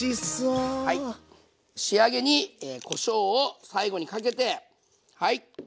仕上げにこしょうを最後にかけてはい。